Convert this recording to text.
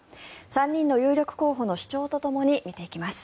３人の有力候補の主張とともに見ていきます。